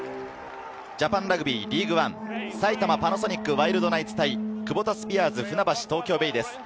ジャパンラグビーリーグワン、埼玉パナソニックワイルドナイツ対クボタスピアーズ船橋・東京ベイです。